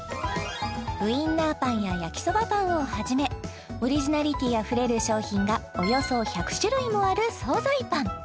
ウインナーパンや焼きそばパンをはじめオリジナリティーあふれる商品がおよそ１００種類もある惣菜パン